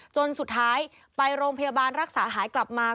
จนสุดท้ายไปโรงพยาบาลรักษาหายกลับมา